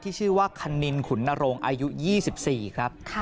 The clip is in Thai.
ชื่อว่าคณินขุนนโรงอายุ๒๔ครับ